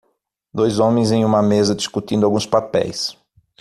Dois homens em uma mesa discutindo alguns papéis.